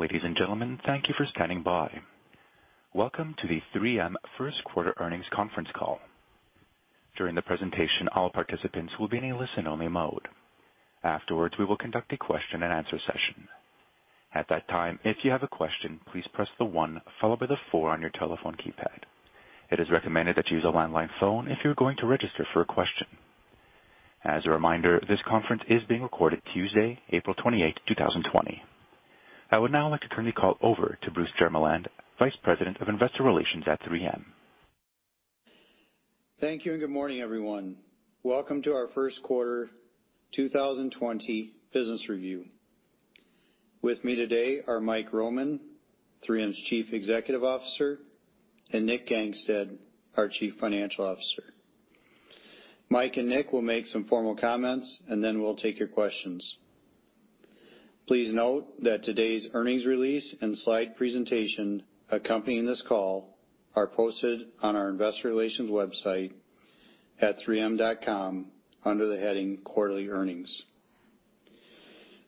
Ladies and gentlemen, thank you for standing by. Welcome to the 3M First Quarter Earnings Conference Call. During the presentation, all participants will be in a listen-only mode. Afterwards, we will conduct a question and answer session. At that time, if you have a question, please press the one followed by the four on your telephone keypad. It is recommended that you use a landline phone if you're going to register for a question. As a reminder, this conference is being recorded Tuesday, April 28, 2020. I would now like to turn the call over to Bruce Jermeland, Vice President of Investor Relations at 3M. Thank you, and good morning, everyone. Welcome to our first quarter 2020 business review. With me today are Mike Roman, 3M's Chief Executive Officer, and Nick Gangestad, our Chief Financial Officer. Mike and Nick will make some formal comments, and then we'll take your questions. Please note that today's earnings release and slide presentation accompanying this call are posted on our investor relations website at 3m.com under the heading Quarterly Earnings.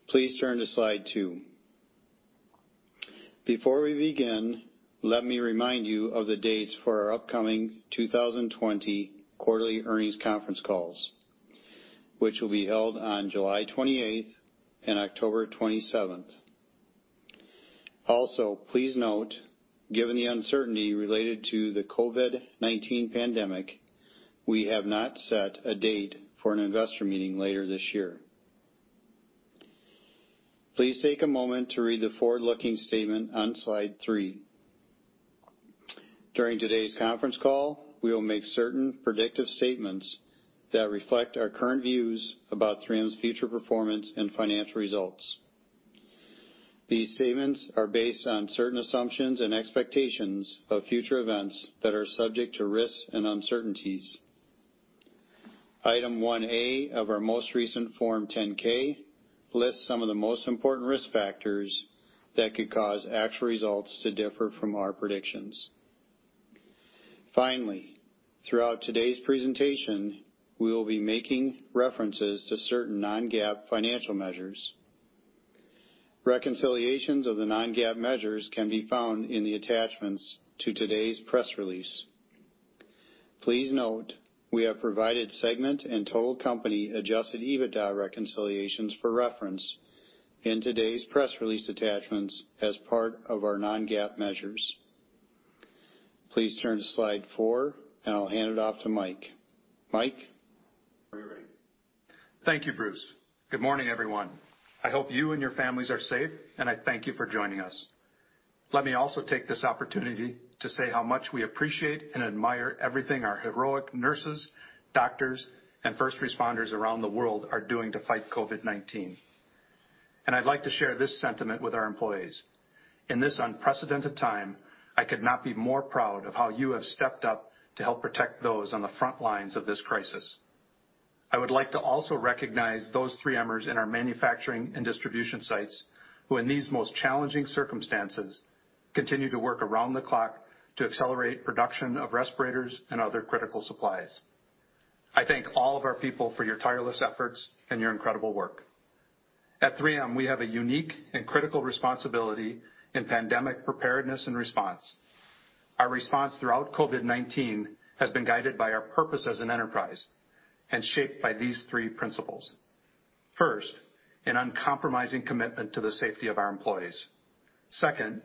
Please turn to slide two. Before we begin, let me remind you of the dates for our upcoming 2020 quarterly earnings conference calls, which will be held on July 28th and October 27th. Please note, given the uncertainty related to the COVID-19 pandemic, we have not set a date for an Investor Meeting later this year. Please take a moment to read the forward-looking statement on slide three. During today's conference call, we will make certain predictive statements that reflect our current views about 3M's future performance and financial results. These statements are based on certain assumptions and expectations of future events that are subject to risks and uncertainties. Item 1A of our most recent Form 10-K lists some of the most important risk factors that could cause actual results to differ from our predictions. Finally, throughout today's presentation, we will be making references to certain non-GAAP financial measures. Reconciliations of the non-GAAP measures can be found in the attachments to today's press release. Please note, we have provided segment and total company adjusted EBITDA reconciliations for reference in today's press release attachments as part of our non-GAAP measures. Please turn to slide four, and I'll hand it off to Mike. Mike? Whenever you're ready. Thank you, Bruce. Good morning, everyone. I hope you and your families are safe, and I thank you for joining us. Let me also take this opportunity to say how much we appreciate, and admire everything our heroic nurses, doctors, and first responders around the world are doing to fight COVID-19. I'd like to share this sentiment with our employees. In this unprecedented time, I could not be more proud of how you have stepped up to help protect those on the front lines of this crisis. I would like to also recognize those 3M-ers in our manufacturing and distribution sites, who in these most challenging circumstances, continue to work around the clock to accelerate production of respirators and other critical supplies. I thank all of our people for your tireless efforts, and your incredible work. At 3M, we have a unique and critical responsibility in pandemic preparedness and response. Our response throughout COVID-19 has been guided by our purpose as an enterprise, and shaped by these three principles. First, an uncompromising commitment to the safety of our employees. Second,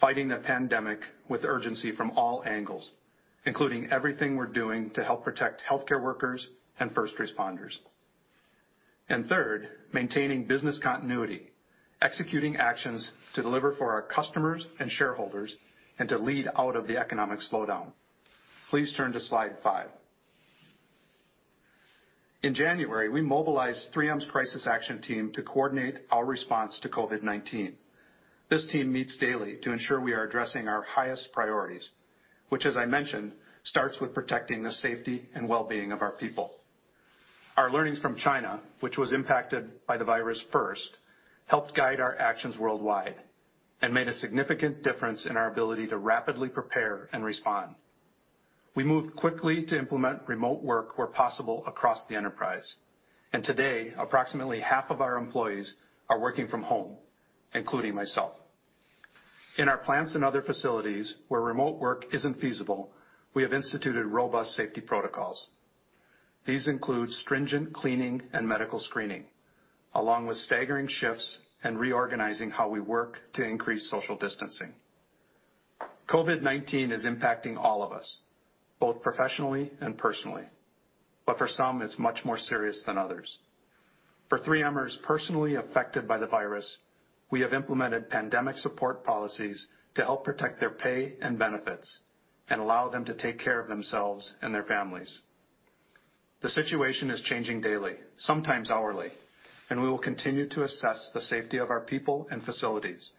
fighting the pandemic with urgency from all angles, including everything we're doing to help protect healthcare workers and first responders. Third, maintaining business continuity, executing actions to deliver for our customers and shareholders, and to lead out of the economic slowdown. Please turn to slide five. In January, we mobilized 3M's crisis action team to coordinate our response to COVID-19. This team meets daily to ensure we are addressing our highest priorities, which as I mentioned, starts with protecting the safety and well-being of our people. Our learnings from China, which was impacted by the virus first, helped guide our actions worldwide, and made a significant difference in our ability to rapidly prepare and respond. We moved quickly to implement remote work where possible across the enterprise, and today, approximately half of our employees are working from home, including myself. In our plants and other facilities where remote work isn't feasible, we have instituted robust safety protocols. These include stringent cleaning and medical screening, along with staggering shifts, and reorganizing how we work to increase social distancing. COVID-19 is impacting all of us, both professionally and personally. For some, it's much more serious than others. For 3Mers personally affected by the virus, we have implemented pandemic support policies to help protect their pay and benefits, and allow them to take care of themselves and their families. The situation is changing daily, sometimes hourly, and we will continue to assess the safety of our people and facilities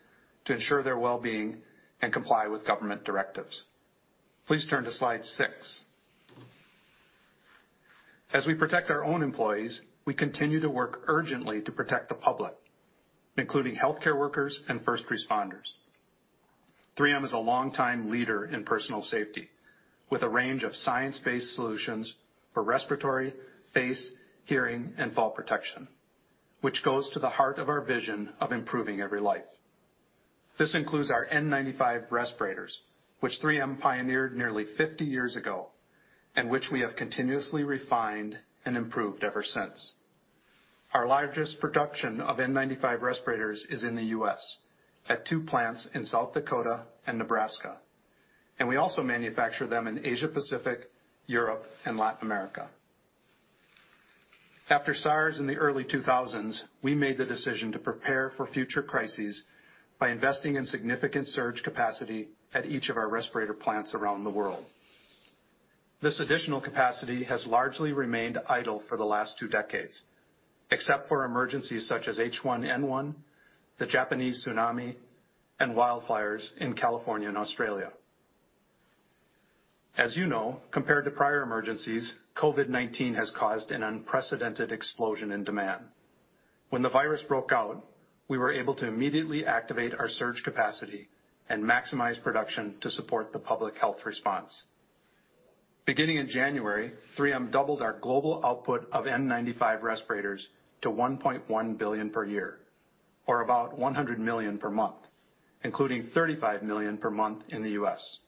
to ensure their well-being, and comply with government directives. Please turn to slide six. As we protect our own employees, we continue to work urgently to protect the public, including healthcare workers and first responders. 3M is a longtime leader in personal safety, with a range of science-based solutions for respiratory, face, hearing, and fall protection, which goes to the heart of our vision of improving every life. This includes our N95 respirators, which 3M pioneered nearly 50 years ago, and which we have continuously refined and improved ever since. Our largest production of N95 respirators is in the U.S., at two plants in South Dakota and Nebraska, and we also manufacture them in Asia-Pacific, Europe, and Latin America. After SARS in the early 2000s, we made the decision to prepare for future crises by investing in significant surge capacity at each of our respirator plants around the world. This additional capacity has largely remained idle for the last two decades, except for emergencies such as H1N1, the Japanese tsunami, and wildfires in California and Australia. As you know, compared to prior emergencies, COVID-19 has caused an unprecedented explosion in demand. When the virus broke out, we were able to immediately activate our surge capacity, and maximize production to support the public health response. Beginning in January, 3M doubled our global output of N95 respirators to $1.1 billion per year, or about $100 million per month, including $35 million per month in the U.S.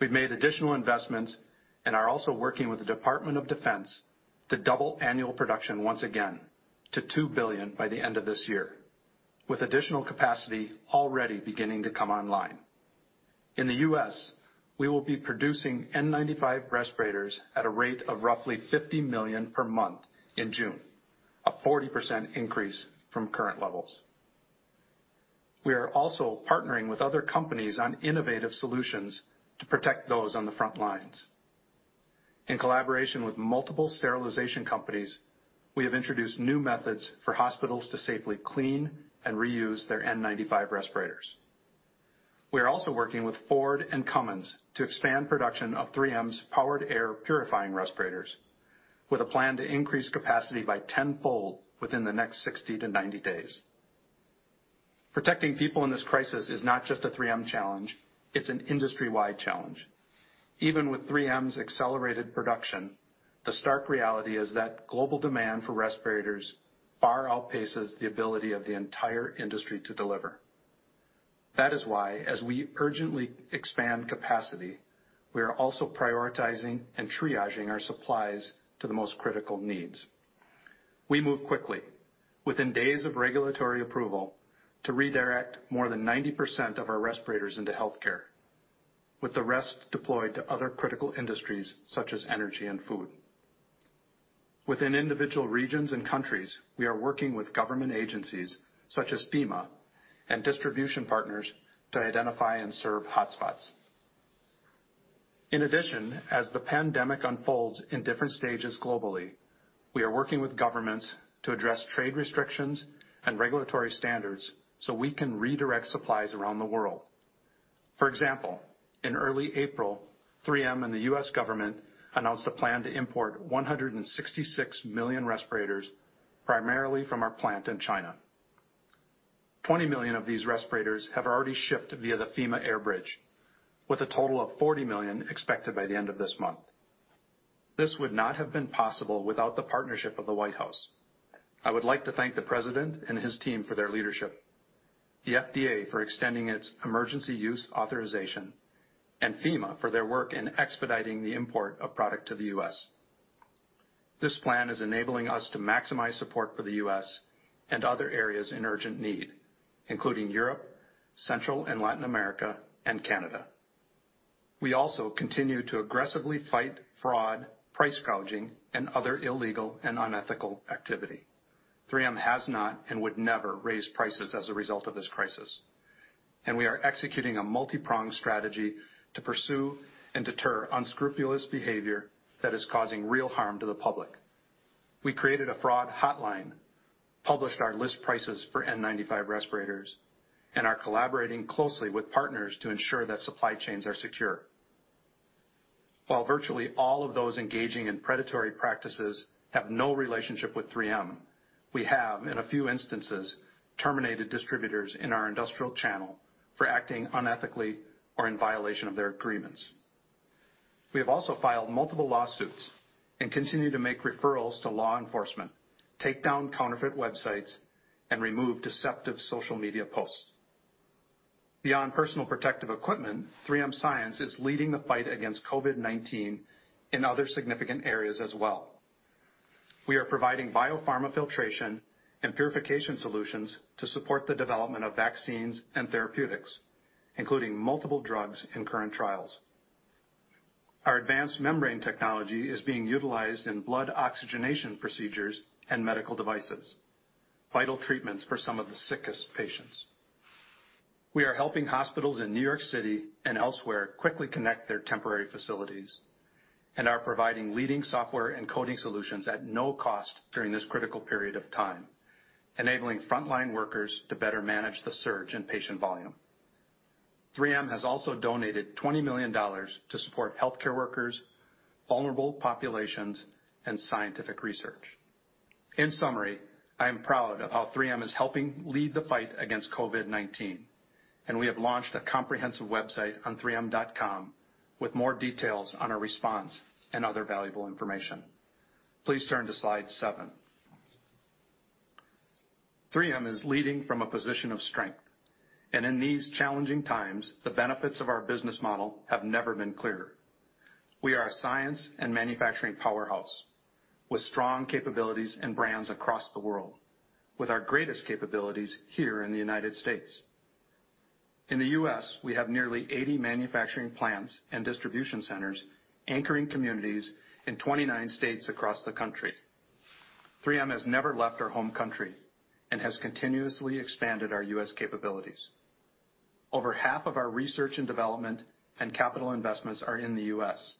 We've made additional investments, and are also working with the Department of Defense to double annual production once again to $2 billion by the end of this year, with additional capacity already beginning to come online. In the U.S., we will be producing N95 respirators at a rate of roughly $50 million per month in June, a 40% increase from current levels. We are also partnering with other companies on innovative solutions to protect those on the front lines. In collaboration with multiple sterilization companies, we have introduced new methods for hospitals to safely clean, and reuse their N95 respirators. We are also working with Ford and Cummins to expand production of 3M's powered air-purifying respirators with a plan to increase capacity by tenfold within the next 60 days-90 days. Protecting people in this crisis is not just a 3M challenge, it's an industry-wide challenge. Even with 3M's accelerated production, the stark reality is that global demand for respirators far outpaces the ability of the entire industry to deliver. That is why, as we urgently expand capacity, we are also prioritizing and triaging our supplies to the most critical needs. We moved quickly, within days of regulatory approval, to redirect more than 90% of our respirators into healthcare, with the rest deployed to other critical industries such as energy and food. Within individual regions and countries, we are working with government agencies such as FEMA and distribution partners to identify and serve hotspots. In addition, as the pandemic unfolds in different stages globally, we are working with governments to address trade restrictions and regulatory standards so we can redirect supplies around the world. For example, in early April, 3M and the U.S. government announced a plan to import 166 million respirators, primarily from our plant in China. 20 million of these respirators have already shipped via the FEMA air bridge, with a total of 40 million expected by the end of this month. This would not have been possible without the partnership of the White House. I would like to thank the President and his team for their leadership, the FDA for extending its emergency use authorization, and FEMA for their work in expediting the import of product to the U.S. This plan is enabling us to maximize support for the U.S. and other areas in urgent need, including Europe, Central and Latin America, and Canada. We also continue to aggressively fight fraud, price gouging, and other illegal and unethical activity. 3M has not and would never raise prices as a result of this crisis, and we are executing a multipronged strategy to pursue and deter unscrupulous behavior that is causing real harm to the public. We created a fraud hotline, published our list prices for N95 respirators, and are collaborating closely with partners to ensure that supply chains are secure. While virtually all of those engaging in predatory practices have no relationship with 3M, we have, in a few instances, terminated distributors in our industrial channel for acting unethically, or in violation of their agreements. We have also filed multiple lawsuits, and continue to make referrals to law enforcement, take down counterfeit websites, and remove deceptive social media posts. Beyond personal protective equipment, 3M science is leading the fight against COVID-19 in other significant areas as well. We are providing biopharma filtration and purification solutions to support the development of vaccines and therapeutics, including multiple drugs in current trials. Our advanced membrane technology is being utilized in blood oxygenation procedures and medical devices, vital treatments for some of the sickest patients. We are helping hospitals in New York City and elsewhere quickly connect their temporary facilities, and are providing leading software and coding solutions at no cost during this critical period of time, enabling frontline workers to better manage the surge in patient volume. 3M has also donated $20 million to support healthcare workers, vulnerable populations, and scientific research. In summary, I am proud of how 3M is helping lead the fight against COVID-19, and we have launched a comprehensive website on 3m.com with more details on our response and other valuable information. Please turn to slide seven. 3M is leading from a position of strength, and in these challenging times, the benefits of our business model have never been clearer. We are a science and manufacturing powerhouse with strong capabilities and brands across the world, with our greatest capabilities here in the United States. In the U.S., we have nearly 80 manufacturing plants and distribution centers anchoring communities in 29 states across the country. 3M has never left our home country, and has continuously expanded our U.S. capabilities. Over half of our research and development and capital investments are in the U.S.,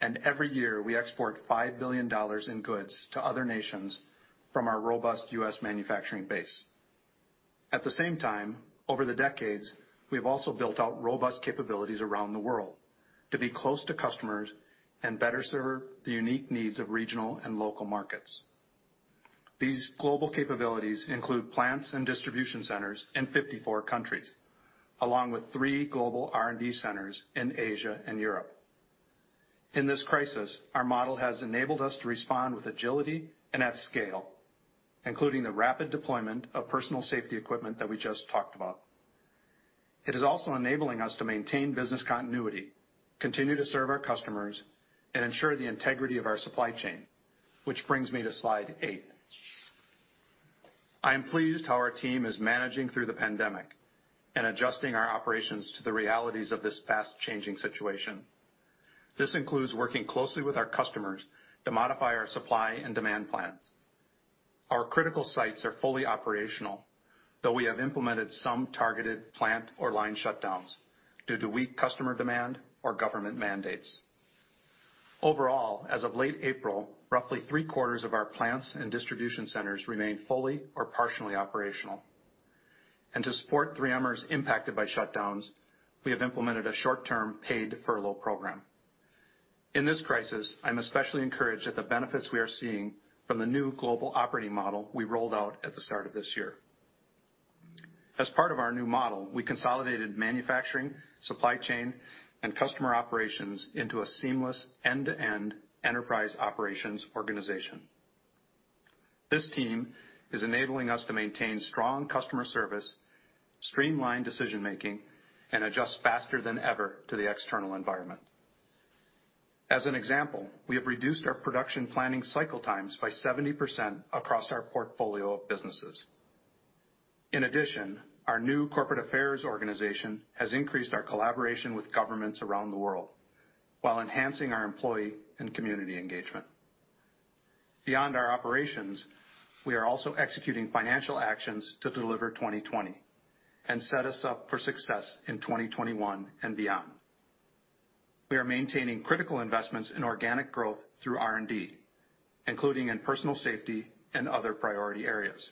and every year we export $5 billion in goods to other nations from our robust U.S. manufacturing base. At the same time, over the decades, we've also built out robust capabilities around the world to be close to customers, and better serve the unique needs of regional and local markets. These global capabilities include plants and distribution centers in 54 countries, along with three global R&D centers in Asia and Europe. In this crisis, our model has enabled us to respond with agility and at scale, including the rapid deployment of personal safety equipment that we just talked about. It is also enabling us to maintain business continuity, continue to serve our customers, and ensure the integrity of our supply chain. Which brings me to slide eight. I am pleased how our team is managing through the pandemic, and adjusting our operations to the realities of this fast-changing situation. This includes working closely with our customers to modify our supply and demand plans. Our critical sites are fully operational, though we have implemented some targeted plant or line shutdowns due to weak customer demand or government mandates. Overall, as of late April, roughly three-quarters of our plants and distribution centers remain fully or partially operational. To support 3Mers impacted by shutdowns, we have implemented a short-term paid furlough program. In this crisis, I'm especially encouraged at the benefits we are seeing from the new global operating model we rolled out at the start of this year. As part of our new model, we consolidated manufacturing, supply chain, and customer operations into a seamless end-to-end enterprise operations organization. This team is enabling us to maintain strong customer service, streamline decision-making, and adjust faster than ever to the external environment. As an example, we have reduced our production planning cycle times by 70% across our portfolio of businesses. In addition, our new corporate affairs organization has increased our collaboration with governments around the world while enhancing our employee and community engagement. Beyond our operations, we are also executing financial actions to deliver 2020, and set us up for success in 2021 and beyond. We are maintaining critical investments in organic growth through R&D, including in personal safety and other priority areas.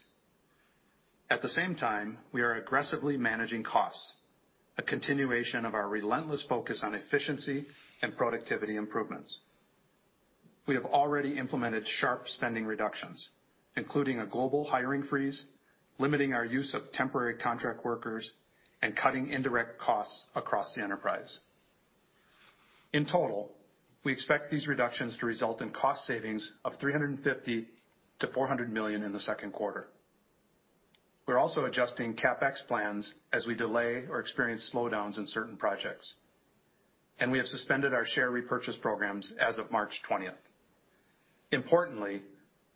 At the same time, we are aggressively managing costs, a continuation of our relentless focus on efficiency and productivity improvements. We have already implemented sharp spending reductions, including a global hiring freeze, limiting our use of temporary contract workers, and cutting indirect costs across the enterprise. In total, we expect these reductions to result in cost savings of $350 million-$400 million in the second quarter. We're also adjusting CapEx plans as we delay, or experience slowdowns in certain projects, and we have suspended our share repurchase programs as of March 20th. Importantly,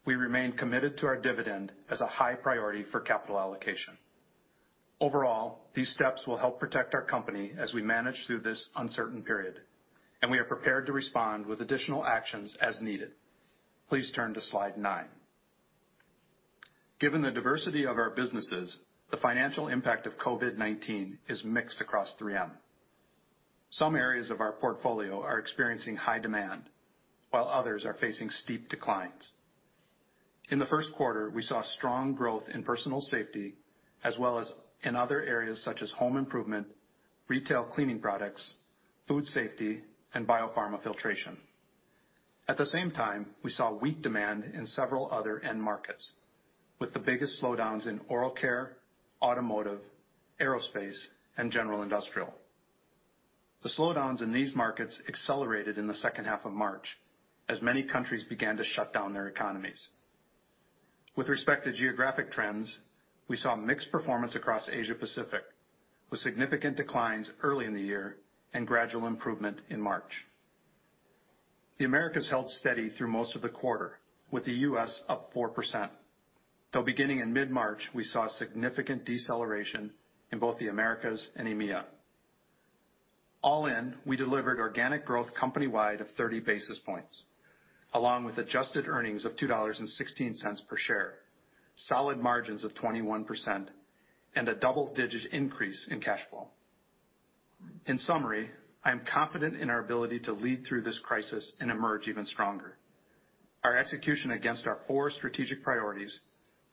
we remain committed to our dividend as a high priority for capital allocation. Overall, these steps will help protect our company as we manage through this uncertain period, and we are prepared to respond with additional actions as needed. Please turn to slide nine. Given the diversity of our businesses, the financial impact of COVID-19 is mixed across 3M. Some areas of our portfolio are experiencing high demand, while others are facing steep declines. In the first quarter, we saw strong growth in personal safety as well as in other areas such as home improvement, retail cleaning products, food safety, and biopharma filtration. At the same time, we saw weak demand in several other end markets, with the biggest slowdowns in oral care, automotive, aerospace, and general industrial. The slowdowns in these markets accelerated in the second half of March as many countries began to shut down their economies. With respect to geographic trends, we saw mixed performance across Asia Pacific, with significant declines early in the year, and gradual improvement in March. The Americas held steady through most of the quarter, with the U.S. up 4%. Though beginning in mid-March, we saw significant deceleration in both the Americas and EMEA. All in, we delivered organic growth company-wide of 30 basis points, along with adjusted earnings of $2.16 per share, solid margins of 21%, and a double-digit increase in cash flow. In summary, I am confident in our ability to lead through this crisis, and emerge even stronger. Our execution against our four strategic priorities,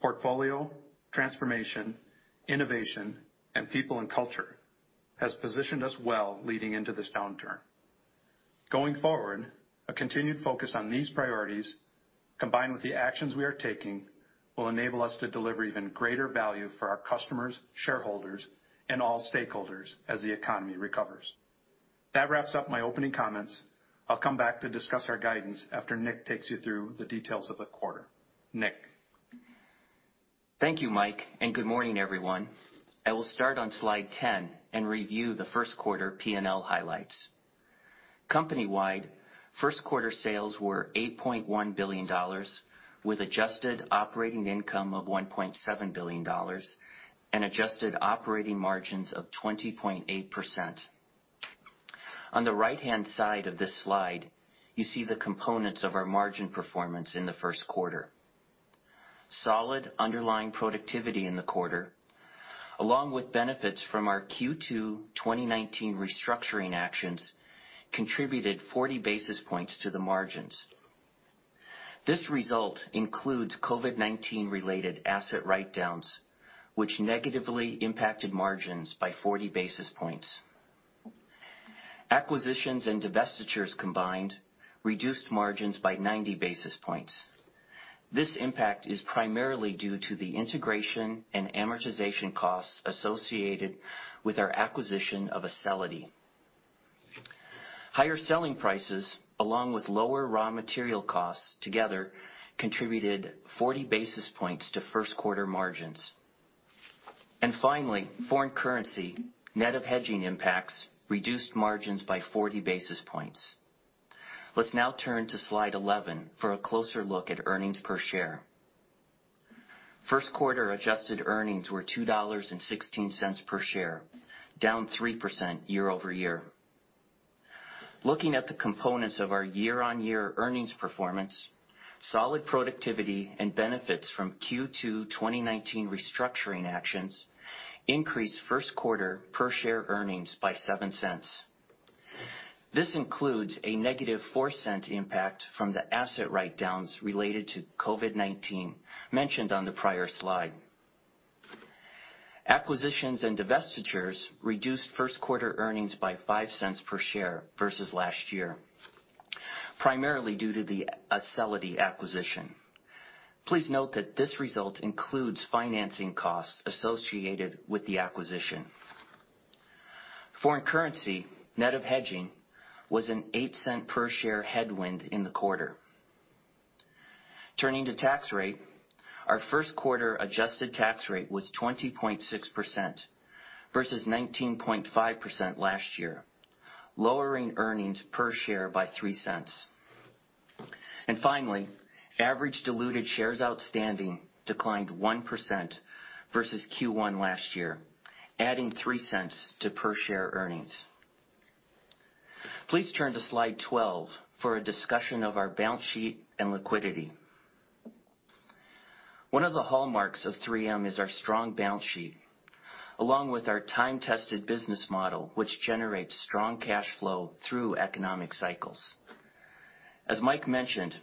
portfolio, transformation, innovation, and people and culture, has positioned us well leading into this downturn. Going forward, a continued focus on these priorities, combined with the actions we are taking, will enable us to deliver even greater value for our customers, shareholders, and all stakeholders as the economy recovers. That wraps up my opening comments. I'll come back to discuss our guidance after Nick takes you through the details of the quarter. Nick? Thank you, Mike. Good morning, everyone. I will start on slide 10 and review the first quarter P&L highlights. Company-wide, first quarter sales were $8.1 billion, with adjusted operating income of $1.7 billion, and adjusted operating margins of 20.8%. On the right-hand side of this slide, you see the components of our margin performance in the first quarter. Solid underlying productivity in the quarter, along with benefits from our Q2 2019 restructuring actions, contributed 40 basis points to the margins. This result includes COVID-19 related asset write-downs, which negatively impacted margins by 40 basis points. Acquisitions and divestitures combined reduced margins by 90 basis points. This impact is primarily due to the integration and amortization costs associated with our acquisition of Acelity. Higher selling prices, along with lower raw material costs together contributed 40 basis points to first quarter margins. Finally, foreign currency, net of hedging impacts, reduced margins by 40 basis points. Let's now turn to slide 11 for a closer look at earnings per share. First quarter adjusted earnings were $2.16 per share, down 3% year-over-year. Looking at the components of our year on year earnings performance, solid productivity and benefits from Q2 2019 restructuring actions increased first quarter per share earnings by $0.07. This includes a -$0.04 impact from the asset write-downs related to COVID-19 mentioned on the prior slide. Acquisitions and divestitures reduced first quarter earnings by $0.05 per share versus last year, primarily due to the Acelity acquisition. Please note that this result includes financing costs associated with the acquisition. Foreign currency, net of hedging, was an $0.08 per share headwind in the quarter. Turning to tax rate, our first quarter adjusted tax rate was 20.6% versus 19.5% last year, lowering earnings per share by $0.03. Finally, average diluted shares outstanding declined 1% versus Q1 last year, adding $0.03 to per share earnings. Please turn to slide 12 for a discussion of our balance sheet and liquidity. One of the hallmarks of 3M is our strong balance sheet, along with our time-tested business model, which generates strong cash flow through economic cycles. As Mike mentioned,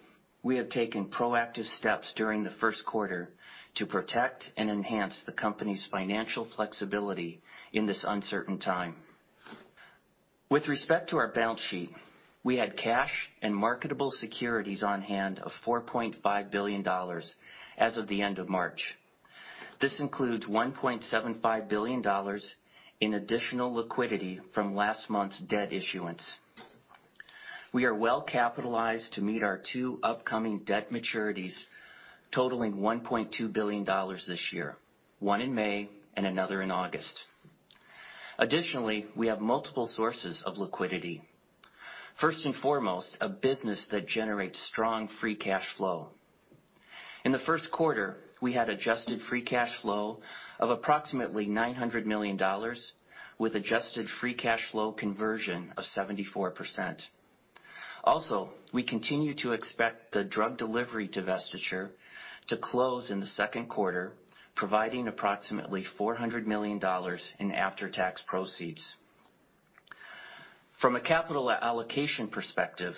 we have taken proactive steps during the first quarter to protect and enhance the company's financial flexibility in this uncertain time. With respect to our balance sheet, we had cash and marketable securities on hand of $4.5 billion as of the end of March. This includes $1.75 billion in additional liquidity from last month's debt issuance. We are well capitalized to meet our two upcoming debt maturities, totaling $1.2 billion this year, one in May, and another in August. Additionally, we have multiple sources of liquidity. First and foremost, a business that generates strong free cash flow. In the first quarter, we had adjusted free cash flow of approximately $900 million with adjusted free cash flow conversion of 74%. We continue to expect the drug delivery divestiture to close in the second quarter, providing approximately $400 million in after-tax proceeds. From a capital allocation perspective,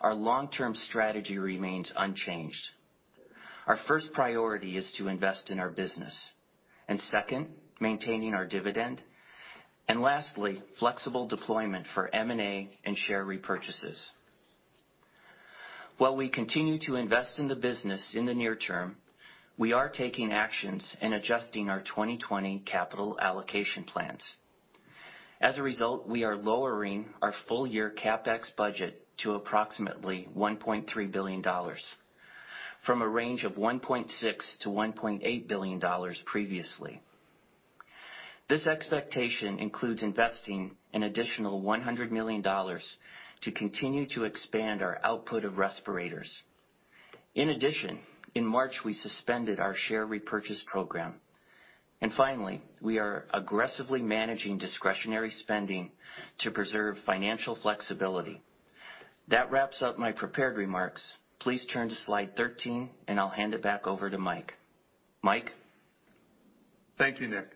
our long-term strategy remains unchanged. Our first priority is to invest in our business, and second, maintaining our dividend, and lastly, flexible deployment for M&A and share repurchases. While we continue to invest in the business in the near term, we are taking actions, and adjusting our 2020 capital allocation plans. As a result, we are lowering our full-year CapEx budget to approximately $1.3 billion, from a range of $1.6 billion-$1.8 billion previously. This expectation includes investing an additional $100 million to continue to expand our output of respirators. In addition, in March, we suspended our share repurchase program. Finally, we are aggressively managing discretionary spending to preserve financial flexibility. That wraps up my prepared remarks. Please turn to slide 13, and I'll hand it back over to Mike. Mike? Thank you, Nick.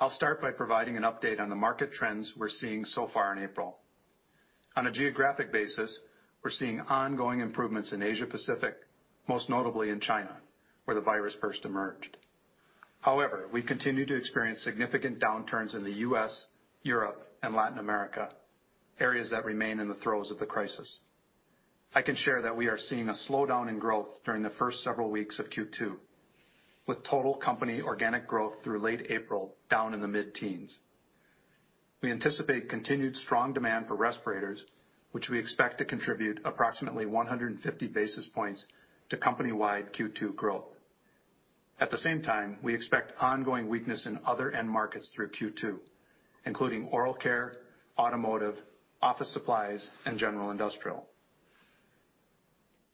I'll start by providing an update on the market trends we're seeing so far in April. On a geographic basis, we're seeing ongoing improvements in Asia Pacific, most notably in China, where the virus first emerged. However, we continue to experience significant downturns in the U.S., Europe, and Latin America, areas that remain in the throes of the crisis. I can share that we are seeing a slowdown in growth during the first several weeks of Q2, with total company organic growth through late April down in the mid-teens. We anticipate continued strong demand for respirators, which we expect to contribute approximately 150 basis points to company-wide Q2 growth. At the same time, we expect ongoing weakness in other end markets through Q2, including oral care, automotive, office supplies, and general industrial.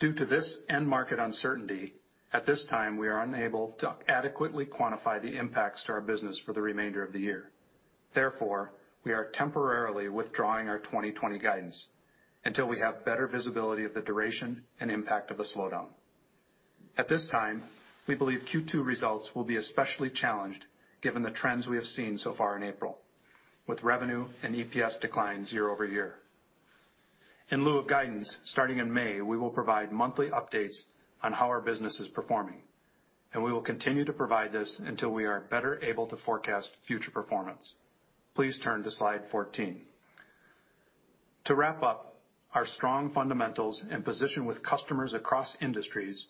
Due to this end market uncertainty, at this time, we are unable to adequately quantify the impacts to our business for the remainder of the year. Therefore, we are temporarily withdrawing our 2020 guidance until we have better visibility of the duration and impact of the slowdown. At this time, we believe Q2 results will be especially challenged given the trends we have seen so far in April, with revenue and EPS declines year-over-year. In lieu of guidance, starting in May, we will provide monthly updates on how our business is performing, and we will continue to provide this until we are better able to forecast future performance. Please turn to slide 14. To wrap up, our strong fundamentals, and position with customers across industries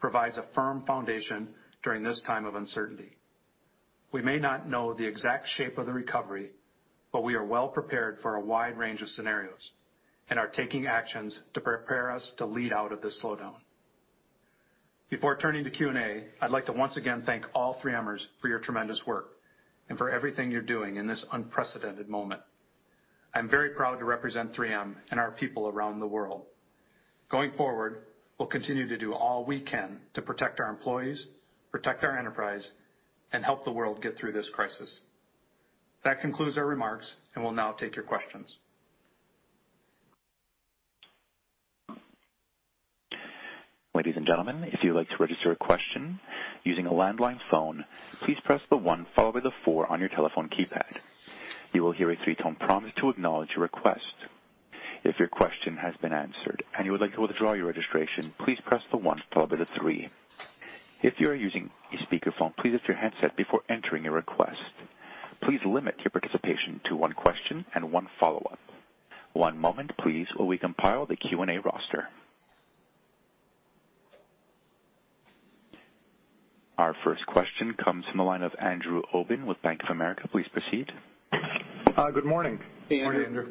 provides a firm foundation during this time of uncertainty. We may not know the exact shape of the recovery, but we are well prepared for a wide range of scenarios, and are taking actions to prepare us to lead out of this slowdown. Before turning to Q&A, I'd like to once again thank all 3Mers for your tremendous work, and for everything you're doing in this unprecedented moment. I'm very proud to represent 3M and our people around the world. Going forward, we'll continue to do all we can to protect our employees, protect our enterprise, and help the world get through this crisis. That concludes our remarks, and we'll now take your questions. Ladies and gentlemen, if you'd like to register a question using a landline phone, please press the one followed by the four on your telephone keypad. You will hear a three-tone prompt to acknowledge your request. If your question has been answered, and you would like to withdraw your registration, please press the one followed by the three. If you are using a speakerphone, please mute your headset before entering a request. Please limit your participation to one question, and one follow-up. One moment, please, while we compile the Q&A roster. Our first question comes from the line of Andrew Obin with Bank of America. Please proceed. Good morning. Hey Andrew.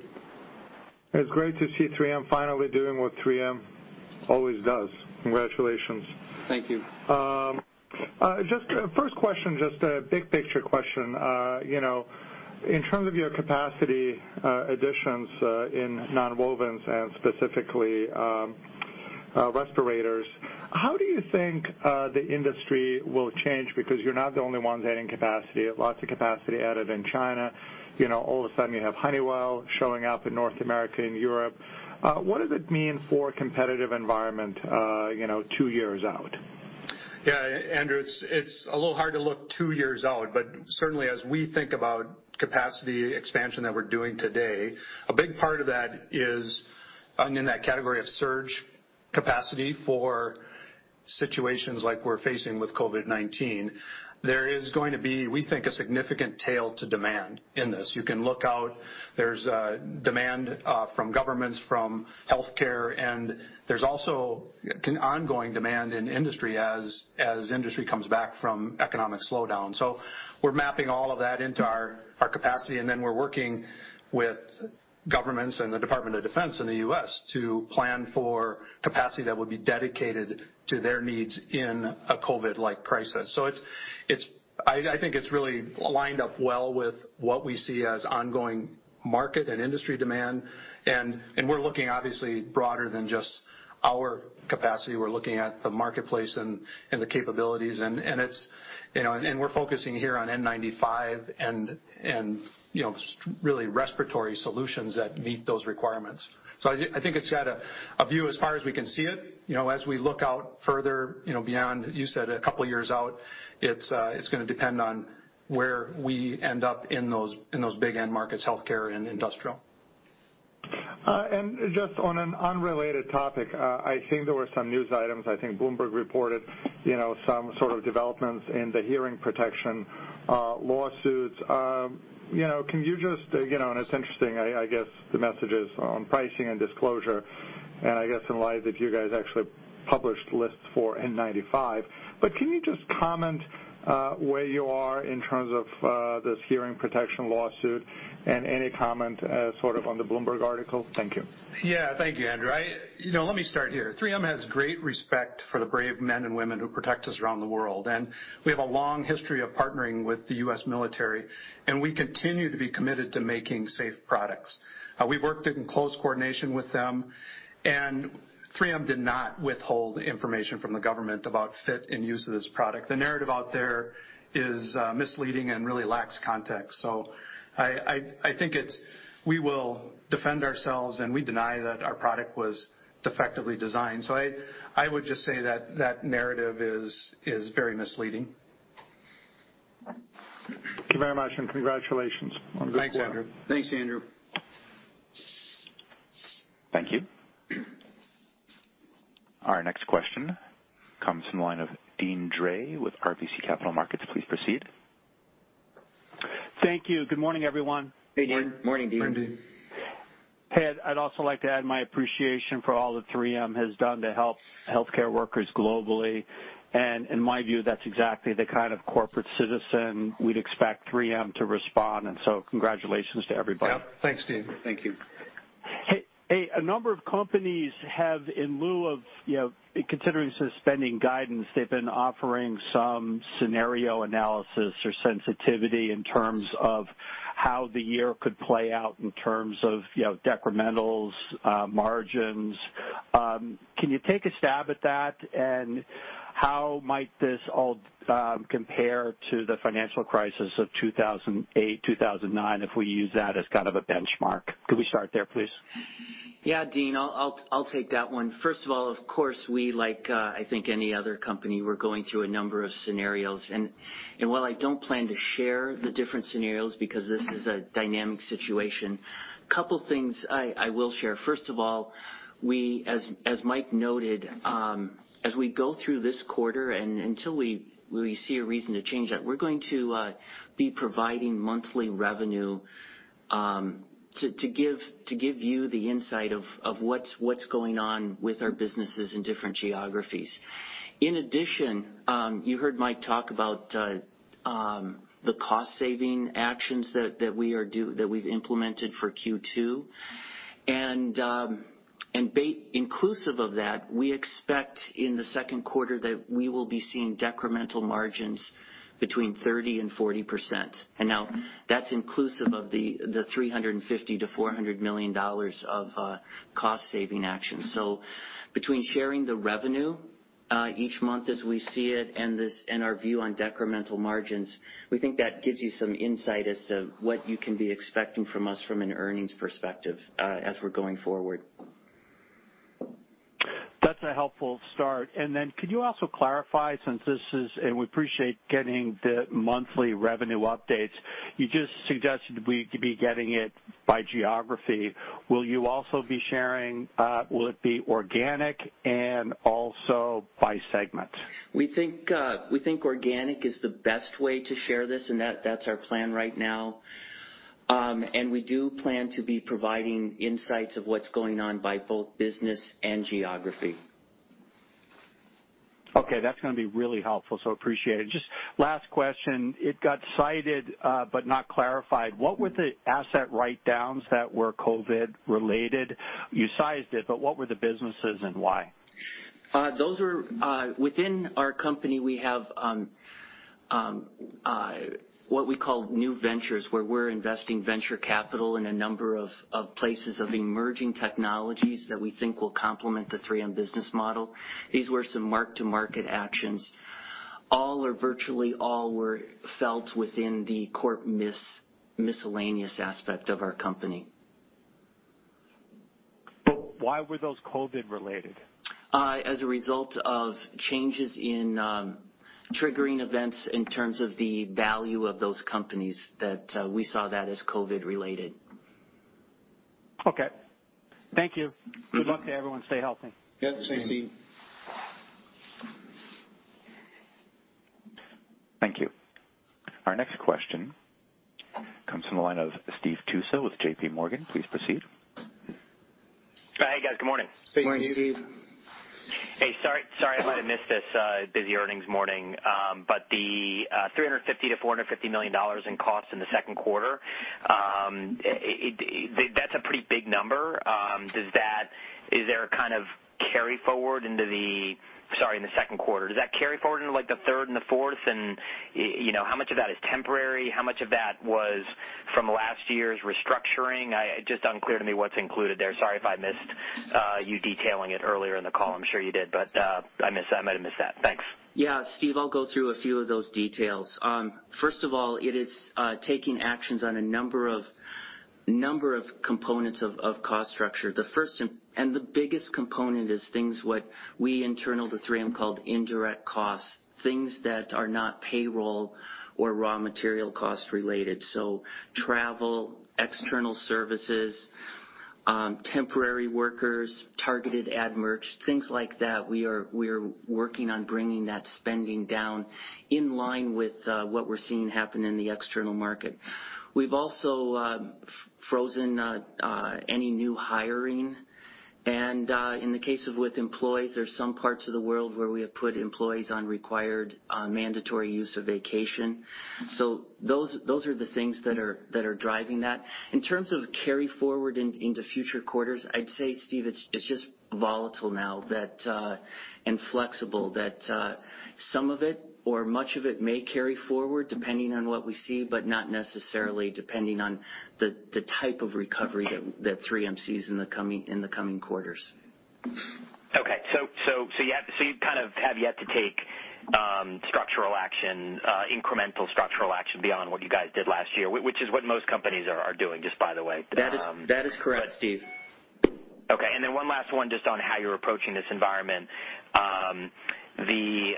It's great to see 3M finally doing what 3M always does. Congratulations. Thank you. Just a first question, just a big picture question. You know, in terms of your capacity additions in nonwovens and specifically respirators, how do you think the industry will change? Because you're not the only ones adding capacity. You have lots of capacity added in China. All of a sudden, you have Honeywell showing up in North America and Europe. What does it mean for a competitive environment, you know, two years out? Yeah, Andrew, it's a little hard to look two years out. Certainly, as we think about capacity expansion that we're doing today, a big part of that is in that category of surge capacity for situations like we're facing with COVID-19. There is going to be, we think, a significant tail to demand in this. You can look out, there's demand from governments, from healthcare, and there's also an ongoing demand in industry as industry comes back from economic slowdown. We're mapping all of that into our capacity, and then we're working with governments and the Department of Defense in the U.S. to plan for capacity that would be dedicated to their needs in a COVID-like crisis. I think it's really lined up well with what we see as ongoing market and industry demand, and we're looking obviously broader than just our capacity. We're looking at the marketplace and the capabilities, and we're focusing here on N95, and you know, just really respiratory solutions that meet those requirements. I think it's got a view as far as we can see it. As we look out further beyond, you said a couple of years out, it's going to depend on where we end up in those big end markets, healthcare and industrial. Just on an unrelated topic, I think there were some news items. I think Bloomberg reported it, you know, some sort of developments in the hearing protection lawsuits. You know, can you just, it's interesting, I guess, the messages on pricing and disclosure, and I guess in light that you guys actually published lists for N95. Can you just comment where you are in terms of this hearing protection lawsuit, and any comment sort of on the Bloomberg article? Thank you. Thank you, Andrew. Let me start here. 3M has great respect for the brave men and women who protect us around the world, and we have a long history of partnering with the U.S. military, and we continue to be committed to making safe products. We've worked in close coordination with them, and 3M did not withhold information from the government about fit and use of this product. The narrative out there is misleading, and really lacks context. I think it's, we will defend ourselves, and we deny that our product was defectively designed. I would just say that that narrative is very misleading. Thank you very much, and congratulations on the quarter. Thanks, Andrew. Thanks, Andrew. Thank you. Our next question comes from the line of Deane Dray with RBC Capital Markets. Please proceed. Thank you. Good morning, everyone. Hey, Deane. Morning, Deane. Morning, Deane. Hey, I'd also like to add my appreciation for all that 3M has done to help healthcare workers globally, and in my view, that's exactly the kind of corporate citizen we'd expect 3M to respond. Congratulations to everybody. Yep. Thanks, Deane. Thank you. Hey. A number of companies have in lieu of considering suspending guidance, they've been offering some scenario analysis or sensitivity in terms of how the year could play out in terms of decrementals, margins. Can you take a stab at that? How might this all compare to the financial crisis of 2008, 2009, if we use that as kind of a benchmark? Could we start there, please? Yeah, Deane. I'll take that one. First of all, of course, we like, I think any other company, we're going through a number of scenarios. While I don't plan to share the different scenarios, because this is a dynamic situation, couple things I will share. First of all, we, as Mike noted, as we go through this quarter, and until we see a reason to change that, we're going to be providing monthly revenue, to give you the insight of what's going on with our businesses in different geographies. In addition, you heard Mike talk about the cost saving actions that we've implemented for Q2, and inclusive of that, we expect in the second quarter that we will be seeing decremental margins between 30%-40%. Now that's inclusive of the $350 million-$400 million of cost saving actions. Between sharing the revenue, each month as we see it, and our view on decremental margins, we think that gives you some insight as to what you can be expecting from us from an earnings perspective as we're going forward. That's a helpful start. Could you also clarify, since we appreciate getting the monthly revenue updates, you just suggested we'd be getting it by geography. Will you also be sharing, will it be organic, and also by segments? We think organic is the best way to share this, and that's our plan right now. We do plan to be providing insights of what's going on by both business and geography. Okay. That's going to be really helpful, so appreciate it. Just last question. It got cited, but not clarified. What were the asset write-downs that were COVID related? You sized it, but what were the businesses and why? Those were, within our company, we have what we call new ventures, where we're investing venture capital in a number of places of emerging technologies that we think will complement the 3M business model. These were some mark-to-market actions. All or virtually all were felt within the corp miscellaneous aspect of our company. Why were those COVID related? As a result of changes in triggering events in terms of the value of those companies that we saw that as COVID related. Okay. Thank you. Good luck to everyone. Stay healthy. Yep. Same, Deane. Thank you. Our next question comes from the line of Steve Tusa with JPMorgan. Please proceed. Hi, guys. Good morning. Morning, Steve. Hey, sorry if I might have missed this. Busy earnings morning. The $350 million-$450 million in costs in the second quarter, that's a pretty big number. Does that, is there kind of carry forward into the, sorry, in the second quarter. Does that carry forward into the third and the fourth, and how much of that is temporary? How much of that was from last year's restructuring? Just unclear to me what's included there. Sorry if I missed you detailing it earlier in the call. I'm sure you did, but I might have missed that. Thanks. Yeah, Steve, I'll go through a few of those details. First of all, it is taking actions on a number of components of cost structure. The first and the biggest component is things what we internal to 3M called indirect costs, things that are not payroll, or raw material cost related. Travel, external services, temporary workers, targeted ad merch, things like that. We are working on bringing that spending down in line with what we're seeing happen in the external market. We've also frozen any new hiring, and in the case of with employees, there's some parts of the world where we have put employees on required mandatory use of vacation. Those are the things that are driving that. In terms of carry forward into future quarters, I'd say, Steve, it's just volatile now that a, and flexible that some of it, or much of it may carry forward depending on what we see, but not necessarily depending on the type of recovery that 3M sees in the coming quarters. Okay. You kind of have yet to take structural action, incremental structural action beyond what you guys did last year, which is what most companies are doing, just by the way. That is correct, Steve. Okay. One last one just on how you're approaching this environment. The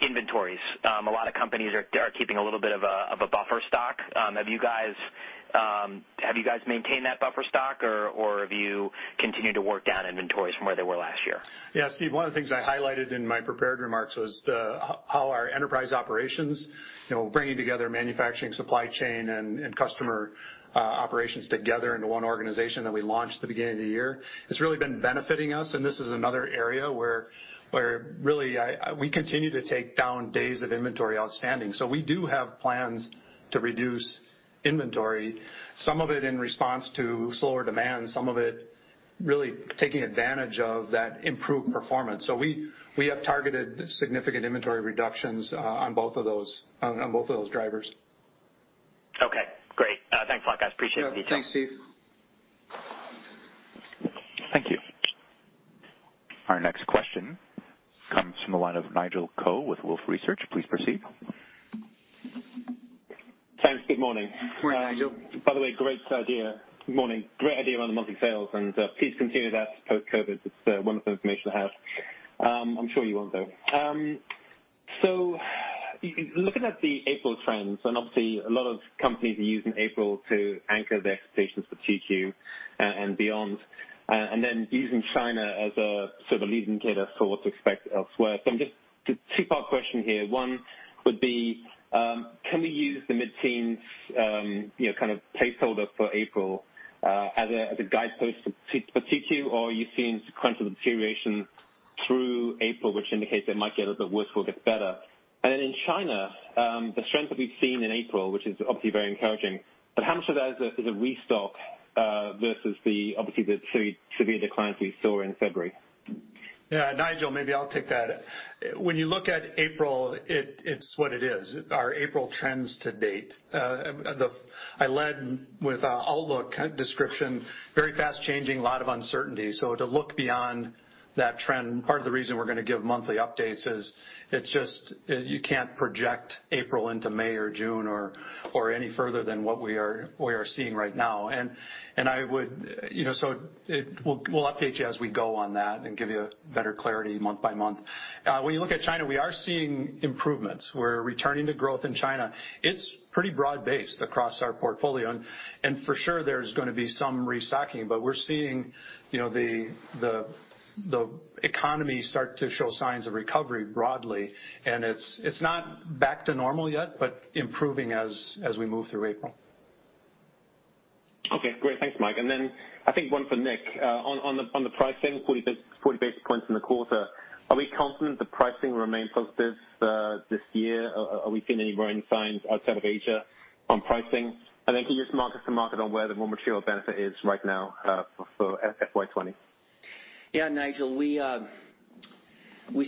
inventories. A lot of companies are keeping a little bit of a buffer stock. Have you guys maintained that buffer stock, or have you continued to work down inventories from where they were last year? Yeah, Steve, one of the things I highlighted in my prepared remarks was how our enterprise operations, bringing together manufacturing, supply chain, and customer operations together into one organization that we launched at the beginning of the year, has really been benefiting us. This is another area where really, we continue to take down days of inventory outstanding. We do have plans to reduce inventory, some of it in response to slower demand, some of it really taking advantage of that improved performance. We have targeted significant inventory reductions on both of those drivers. Okay, great. Thanks a lot, guys. Appreciate the detail. Yeah. Thanks, Steve. Thank you. Our next question comes from the line of Nigel Coe with Wolfe Research. Please proceed. Thanks, good morning. Morning, Nigel. By the way, great idea. Good morning. Great idea on the monthly sales, please continue that post-COVID. It's wonderful information to have. I'm sure you won't though. Looking at the April trends, obviously a lot of companies are using April to anchor their expectations for 2Q and beyond, then using China as a leading indicator for what to expect elsewhere. Just two-part question here. One would be, can we use the mid-teens kind of placeholder for April as a guidepost for 2Q, or are you seeing sequential deterioration through April, which indicates it might get a little bit worse before it gets better? Then in China, the strength that we've seen in April, which is obviously very encouraging, how much of that is a restock versus obviously the severe declines we saw in February? Yeah, Nigel, maybe I'll take that. When you look at April, it's what it is. Our April trends to date. I led with an outlook description, very fast-changing, a lot of uncertainty. To look beyond that trend, part of the reason we're going to give monthly updates is you can't project April into May, or June, or any further than what we are seeing right now. I would, we'll update you as we go on that, and give you better clarity month by month. When you look at China, we are seeing improvements. We're returning to growth in China. It's pretty broad-based across our portfolio. For sure there's going to be some restocking. We're seeing the economy start to show signs of recovery broadly, and it's not back to normal yet, but improving as we move through April. Okay, great. Thanks, Mike. I think one for Nick. On the pricing, 40 basis points in the quarter. Are we confident the pricing will remain positive this year? Are we seeing any warning signs outside of Asia on pricing? Can you just mark us to market on where the raw material benefit is right now for FY 2020? Yeah, Nigel, we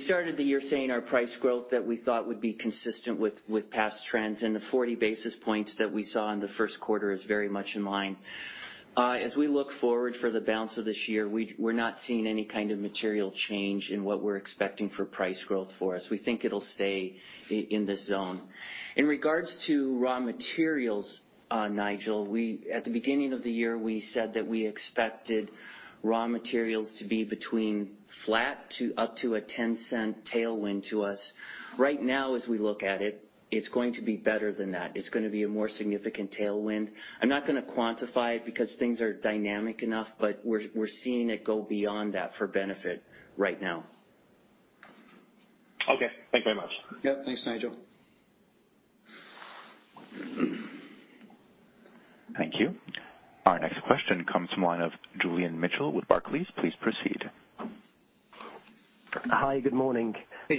started the year saying our price growth that we thought would be consistent with past trends, and the 40 basis points that we saw in the first quarter is very much in line. As we look forward for the balance of this year, we're not seeing any kind of material change in what we're expecting for price growth for us. We think it'll stay in this zone. In regards to raw materials, Nigel, at the beginning of the year, we said that we expected raw materials to be between flat to up to a $0.10 tailwind to us. Right now as we look at it's going to be better than that. It's going to be a more significant tailwind. I'm not going to quantify it because things are dynamic enough, but we're seeing it go beyond that for benefit right now. Okay. Thank you very much. Yeah. Thanks, Nigel. Thank you. Our next question comes from the line of Julian Mitchell with Barclays. Please proceed. Hi. Good morning. Hey.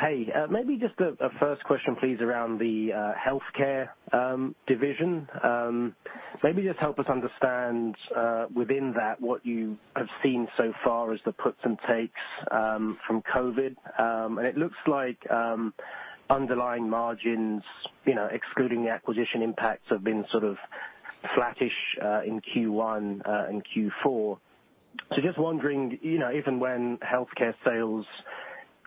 Hey. Maybe just a first question, please, around the Health Care division. Maybe just help us understand, within that, what you have seen so far as the puts and takes from COVID. It looks like underlying margins, excluding the acquisition impacts, have been sort of flattish in Q1 and Q4. Just wondering, even when healthcare sales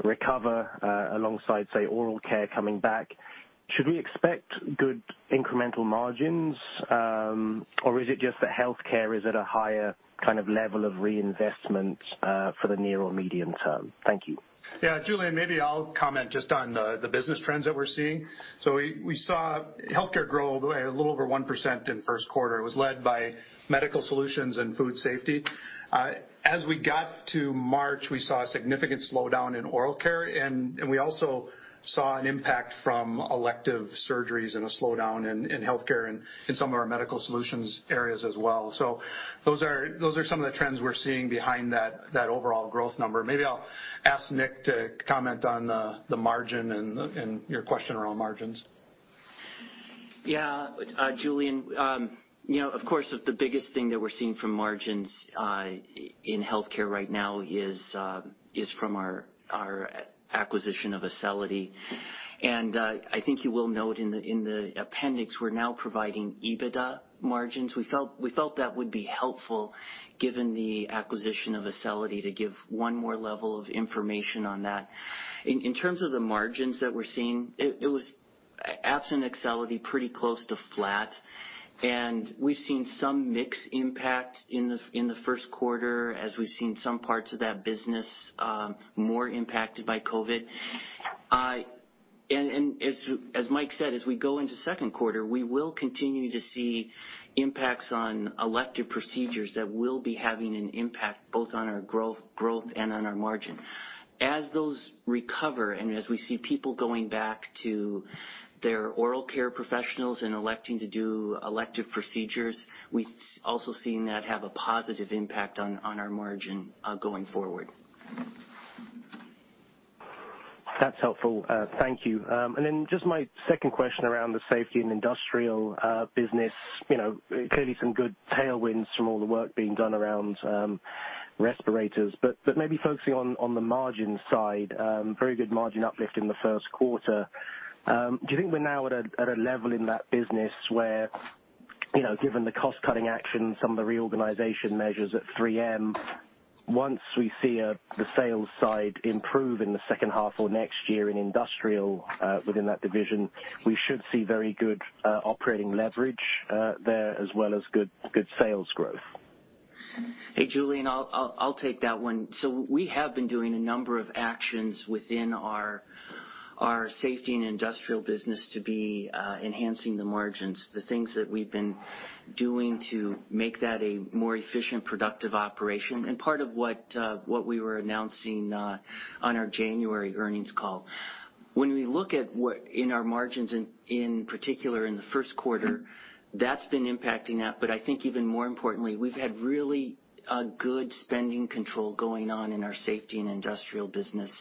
recover alongside, say, oral care coming back, should we expect good incremental margins? Is it just that Health Care is at a higher kind of level of reinvestment for the near or medium term? Thank you. Yeah. Julian, maybe I'll comment just on the business trends that we're seeing. We saw Health Care grow a little over 1% in the first quarter. It was led by medical solutions and food safety. As we got to March, we saw a significant slowdown in oral care, and we also saw an impact from elective surgeries, and a slowdown in Health Care, and in some of our medical solutions areas as well. Those are some of the trends we're seeing behind that overall growth number. Maybe I'll ask Nick to comment on the margin, and your question around margins. Yeah, Julian, you know of course, the biggest thing that we're seeing from margins in Health Care right now is from our acquisition of Acelity. I think you will note in the appendix, we're now providing EBITDA margins. We felt that would be helpful given the acquisition of Acelity to give one more level of information on that. In terms of the margins that we're seeing, it was absent Acelity, pretty close to flat. We've seen some mix impact in the first quarter as we've seen some parts of that business more impacted by COVID. As Mike said, as we go into second quarter, we will continue to see impacts on elective procedures that will be having an impact both on our growth, and on our margin. As those recover, and as we see people going back to their oral care professionals, and electing to do elective procedures, we've also seen that have a positive impact on our margin going forward. That's helpful. Thank you. Just my second question around the Safety and Industrial business. Clearly some good tailwinds from all the work being done around respirators. Maybe focusing on the margin side, very good margin uplift in the first quarter. Do you think we're now at a level in that business where, given the cost-cutting action, some of the reorganization measures at 3M, once we see the sales side improve in the second half, or next year in industrial, within that division, we should see very good operating leverage there as well as good sales growth? Hey, Julian, I'll take that one. We have been doing a number of actions within our Safety and Industrial business to be enhancing the margins, the things that we've been doing to make that a more efficient, productive operation, and part of what we were announcing on our January earnings call. When we look at what in our margins in particular in the first quarter, that's been impacting that. I think even more importantly, we've had really good spending control going on in our Safety and Industrial business,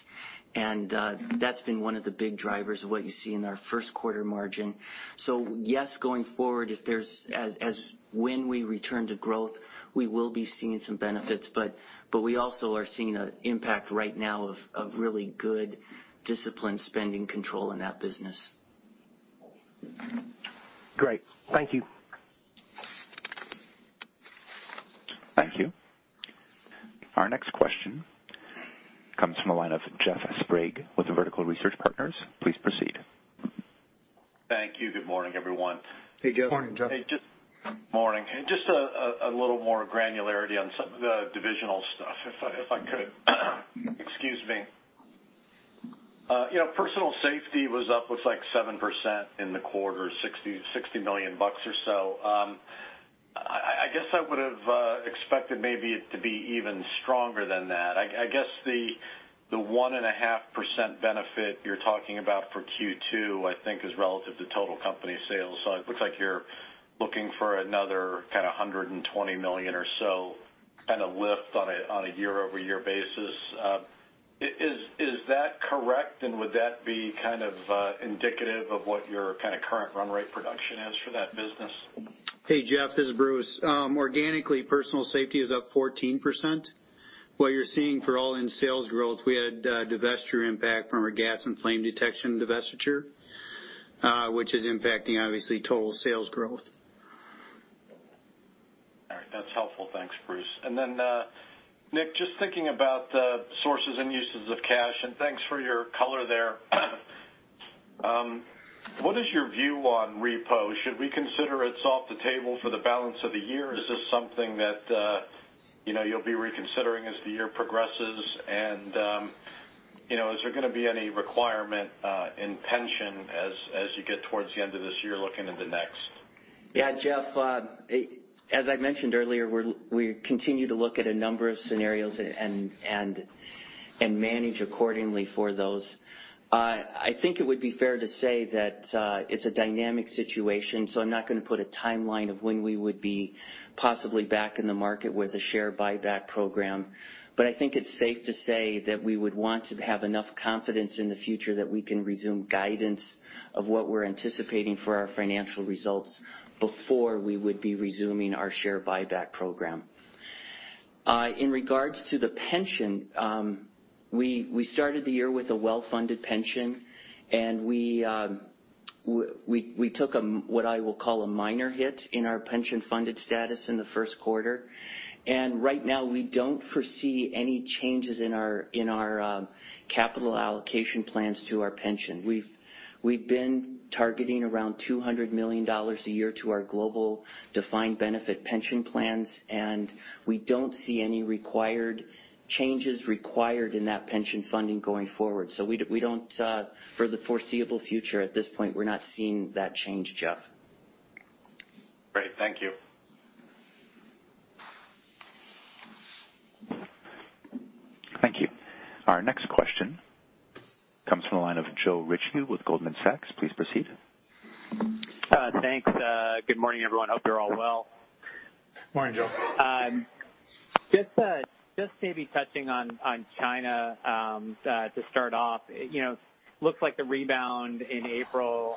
and that's been one of the big drivers of what you see in our first quarter margin. Yes, going forward, when we return to growth, we will be seeing some benefits. We also are seeing an impact right now of really good disciplined spending control in that business. Great. Thank you. Thank you. Our next question comes from the line of Jeff Sprague with the Vertical Research Partners. Please proceed. Thank you. Good morning, everyone. Hey, Jeff. Morning, Jeff. Morning. Just a little more granularity on some of the divisional stuff, if I could. Excuse me. Personal safety was up, looks like 7% in the quarter, $60 million or so. I guess I would've expected maybe it to be even stronger than that. I guess the 1.5% benefit you're talking about for Q2, I think is relative to total company sales. It looks like you're looking for another kind of $120 million or so kind of lift on a year-over-year basis. Is that correct? Would that be kind of indicative of what your kind of current run rate production is for that business? Hey, Jeff, this is Bruce. Organically, personal safety is up 14%. What you're seeing for all in sales growth, we had divestiture impact from our gas and flame detection divestiture, which is impacting, obviously, total sales growth. All right. That's helpful. Thanks, Bruce. Then Nick, just thinking about the sources and uses of cash, and thanks for your color there. What is your view on repo? Should we consider it's off the table for the balance of the year? Is this something that you'll be reconsidering as the year progresses? Is there going to be any requirement in pension as you get towards the end of this year looking into next? Yeah, Jeff, as I mentioned earlier, we continue to look at a number of scenarios and manage accordingly for those. I think it would be fair to say that it's a dynamic situation, so I'm not going to put a timeline of when we would be possibly back in the market with a share buyback program. I think it's safe to say that we would want to have enough confidence in the future that we can resume guidance of what we're anticipating for our financial results before we would be resuming our share buyback program. In regards to the pension, we started the year with a well-funded pension, and we took what I will call a minor hit in our pension funded status in the first quarter. Right now, we don't foresee any changes in our capital allocation plans to our pension. We've been targeting around $200 million a year to our global defined benefit pension plans. We don't see any changes required in that pension funding going forward. We don't, for the foreseeable future, at this point, we're not seeing that change, Jeff. Great. Thank you. Thank you. Our next question comes from the line of Joe Ritchie with Goldman Sachs. Please proceed. Thanks. Good morning, everyone. Hope you're all well. Morning, Joe. Just maybe touching on China to start off. Looks like the rebound in April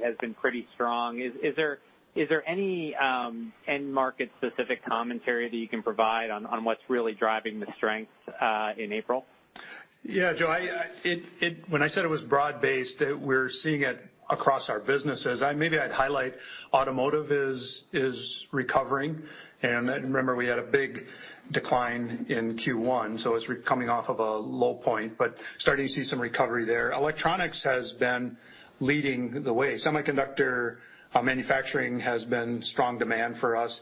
has been pretty strong. Is there any end market specific commentary that you can provide on what's really driving the strength in April? Yeah, Joe, when I said it was broad-based, we're seeing it across our businesses. Maybe I'd highlight automotive is recovering, and remember, we had a big decline in Q1, so it's coming off of a low point, but starting to see some recovery there. Electronics has been leading the way. Semiconductor manufacturing has been strong demand for us.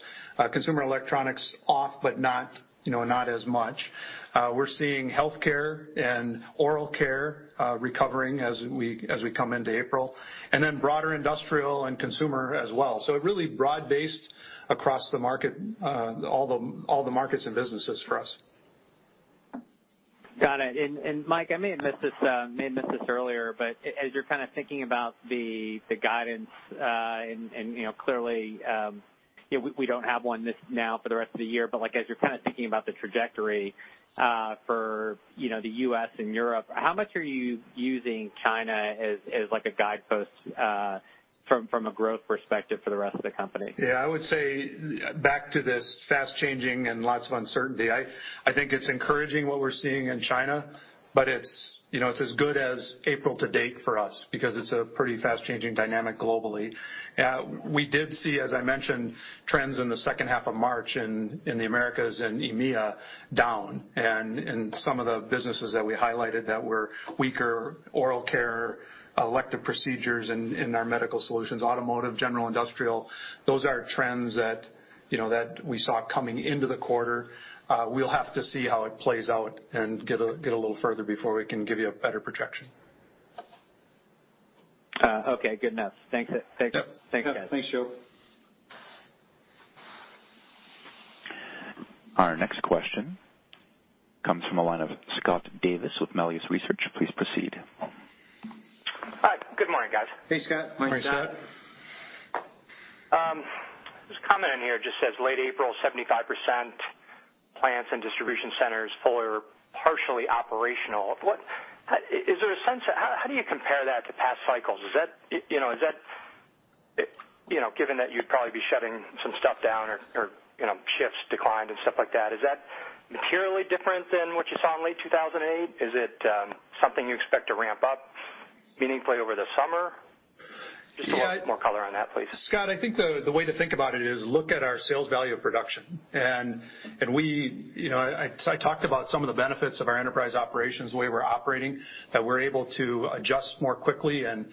Consumer Electronics off, but not as much. We're seeing Health Care and oral care recovering as we come into April, and then broader Industrial and Consumer as well. Really broad-based across all the markets and businesses for us. Got it. Mike, I may have missed this earlier, as you're kind of thinking about the guidance, clearly, we don't have one now for the rest of the year, as you're kind of thinking about the trajectory for the U.S. and Europe, how much are you using China as a guidepost from a growth perspective for the rest of the company? Yeah, I would say back to this fast-changing and lots of uncertainty, I think it's encouraging what we're seeing in China, but it's as good as April to date for us because it's a pretty fast-changing dynamic globally. We did see, as I mentioned, trends in the second half of March in the Americas and EMEA down. Some of the businesses that we highlighted that were weaker, oral care, elective procedures in our medical solutions, automotive, general industrial, those are trends that we saw coming into the quarter. We'll have to see how it plays out and get a little further before we can give you a better projection. Okay, good enough. Thanks. Yep. Thanks, guys. Thanks, Joe. Our next question comes from the line of Scott Davis with Melius Research. Please proceed. Hi. Good morning, guys. Hey, Scott. Morning, Scott. This comment in here just says, "Late April, 75% plants and distribution centers fully or partially operational." How do you compare that to past cycles? Given that you'd probably be shutting some stuff down, or shifts declined and stuff like that, is that materially different than what you saw in late 2008? Is it something you expect to ramp up meaningfully over the summer? Yeah. Just a little bit more color on that, please. Scott, I think the way to think about it is look at our sales value of production. I talked about some of the benefits of our enterprise operations, the way we're operating, that we're able to adjust more quickly, and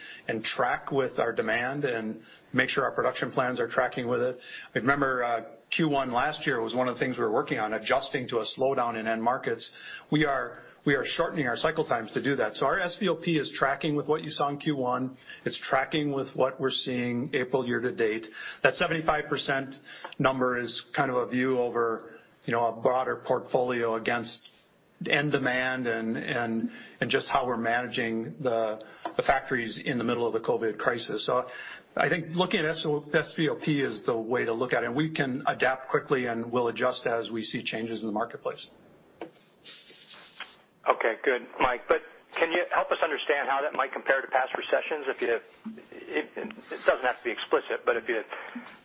track with our demand, and make sure our production plans are tracking with it. Remember, Q1 last year was one of the things we were working on, adjusting to a slowdown in end markets. We are shortening our cycle times to do that. Our SVOP is tracking with what you saw in Q1. It's tracking with what we're seeing April year to date. That 75% number is kind of a view over a broader portfolio against end demand, and just how we're managing the factories in the middle of the COVID crisis. I think looking at SVOP is the way to look at it, and we can adapt quickly, and we'll adjust as we see changes in the marketplace. Okay, good, Mike. Can you help us understand how that might compare to past recessions? It doesn't have to be explicit, but if you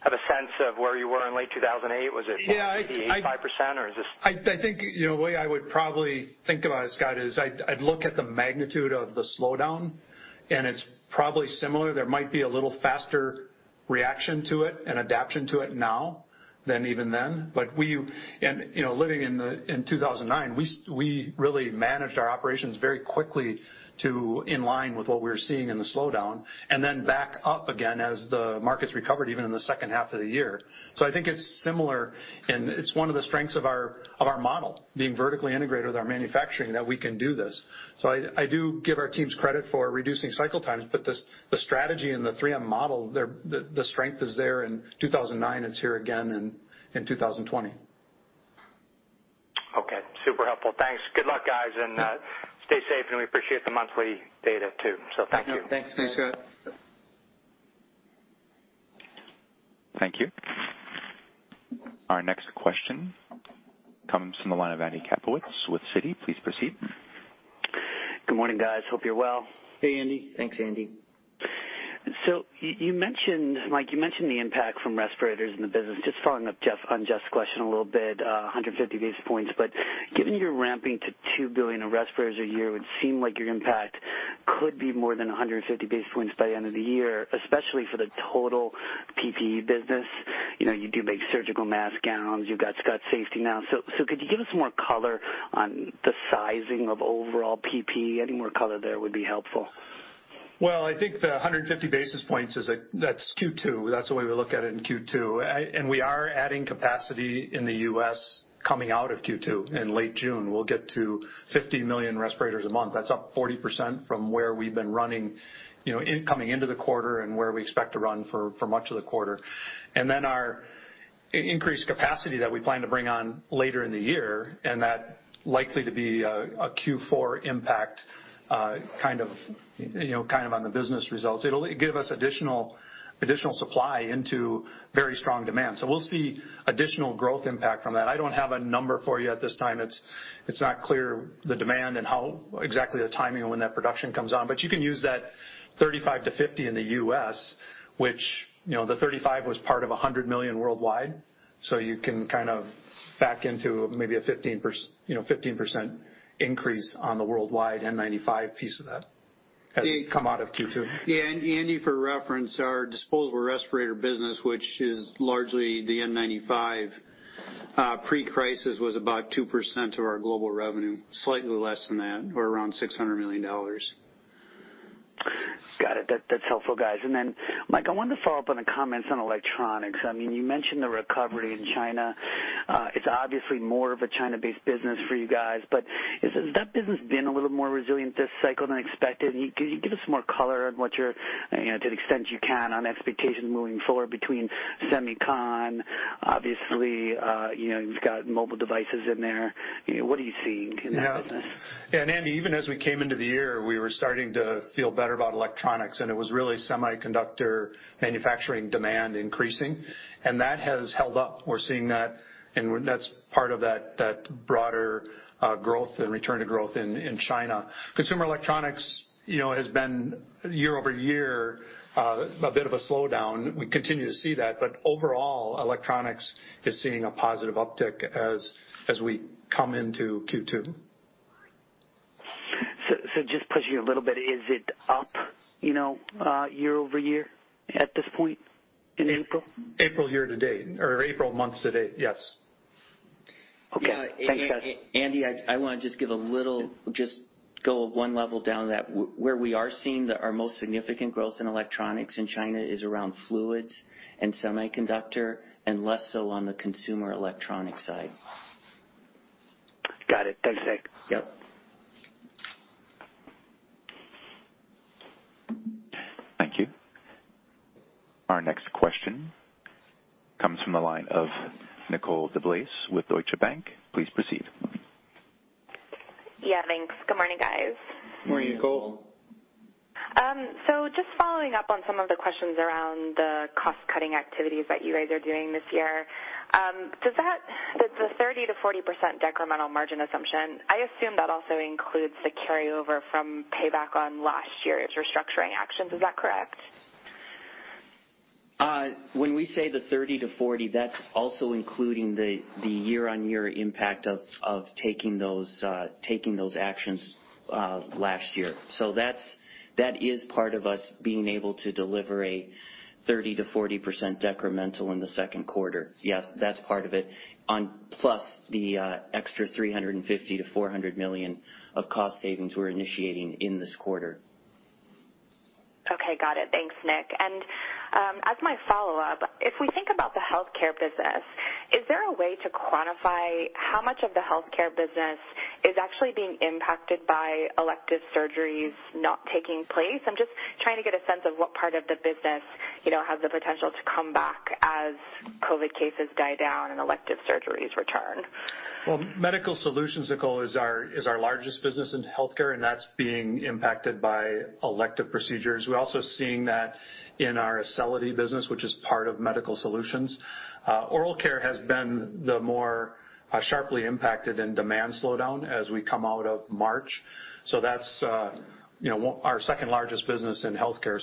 have a sense of where you were in late 2008, Yeah. Was it 85% or is this? I think the way I would probably think about it, Scott, is I'd look at the magnitude of the slowdown, and it's probably similar. There might be a little faster reaction to it, and adaptation to it now than even then. Living in 2009, we really managed our operations very quickly in line with what we were seeing in the slowdown, and then back up again as the markets recovered even in the second half of the year. I think it's similar, and it's one of the strengths of our model, being vertically integrated with our manufacturing that we can do this. I do give our teams credit for reducing cycle times, but the strategy, and the 3M model, the strength is there in 2009. It's here again in 2020. Okay. Super helpful. Thanks. Good luck, guys, and stay safe, and we appreciate the monthly data too. Thank you. Thanks, Scott. Thank you. Our next question comes from the line of Andy Kaplowitz with Citi. Please proceed. Good morning, guys. Hope you're well. Hey, Andy. Thanks, Andy. You mentioned, Mike you mentioned the impact from respirators in the business. Just following up on Jeff's question a little bit, 150 basis points. Given your ramping to 2 billion of respirators a year, it would seem like your impact could be more than 150 basis points by the end of the year, especially for the total PPE business. You do make surgical mask gowns. You've got Scott Safety now. Could you give us more color on the sizing of overall PPE? Any more color there would be helpful. I think the 150 basis points, that's Q2. That's the way we look at it in Q2. We are adding capacity in the U.S. coming out of Q2. In late June, we'll get to 50 million respirators a month. That's up 40% from where we've been running coming into the quarter, and where we expect to run for much of the quarter. Our increased capacity that we plan to bring on later in the year, and that likely to be a Q4 impact kind of on the business results. It'll give us additional supply into very strong demand. We'll see additional growth impact from that. I don't have a number for you at this time. It's not clear the demand and how exactly the timing of when that production comes on. You can use that 35-50 in the U.S., which the 35 was part of 100 million worldwide. You can kind of back into maybe a 15% increase on the worldwide N95 piece of that. As we come out of Q2. Yeah. Andy, for reference, our disposable respirator business, which is largely the N95, pre-crisis was about 2% of our global revenue, slightly less than that, or around $600 million. Got it. That's helpful, guys. Mike, I wanted to follow up on the comments on Electronics. You mentioned the recovery in China. It's obviously more of a China-based business for you guys, has that business been a little more resilient this cycle than expected? Can you give us more color, to the extent you can, on expectations moving forward between semicon, obviously, you've got mobile devices in there? What are you seeing in that business? Yeah. Andy, even as we came into the year, we were starting to feel better about Electronics, and it was really semiconductor manufacturing demand increasing. That has held up. We're seeing that, and that's part of that broader growth and return to growth in China. Consumer Electronics has been, year-over-year, a bit of a slowdown. We continue to see that, overall, Electronics is seeing a positive uptick as we come into Q2. Just to push you a little bit, is it up year-over-year at this point in April? April year-to-date or April month-to-date, yes. Okay. Thanks, guys. Andy, I want to just go one level down that. Where we are seeing our most significant growth in Electronics in China is around fluids and semiconductor, and less so on the Consumer Electronics side. Got it. Thanks, Nick. Yep. Thank you. Our next question comes from the line of Nicole DeBlase with Deutsche Bank. Please proceed. Yeah, thanks. Good morning, guys. Morning, Nicole. Just following up on some of the questions around the cost-cutting activities that you guys are doing this year. The 30%-40% decremental margin assumption, I assume that also includes the carryover from payback on last year's restructuring actions. Is that correct? When we say the 30%-40%, that's also including the year on year impact of taking those actions last year. That is part of us being able to deliver a 30%-40% decremental in the second quarter. Yes, that's part of it, plus the extra $350 million-$400 million of cost savings we're initiating in this quarter. Okay, got it. Thanks, Nick. As my follow-up, if we think about the Health Care business, is there a way to quantify how much of the Health Care business is actually being impacted by elective surgeries not taking place? I'm just trying to get a sense of what part of the business has the potential to come back as COVID-19 cases die down, and elective surgeries return. Medical solutions, Nicole, is our largest business in Health Care, and that's being impacted by elective procedures. We're also seeing that in our Acelity business, which is part of medical solutions. Oral care has been the more sharply impacted in demand slowdown as we come out of March. That's our second largest business in Health Care.